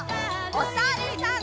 おさるさん。